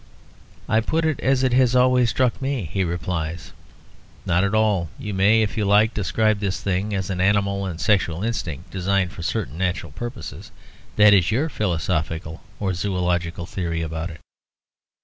I put it as it has always struck me; he replies, "Not at all. You may, if you like, describe this thing as an animal and sexual instinct, designed for certain natural purposes; that is your philosophical or zoölogical theory about it.